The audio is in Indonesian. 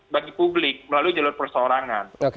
bagi publik melalui jalur perseorangan